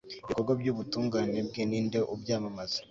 ibikorwa by'ubutungane bwe, ni nde ubyamamaza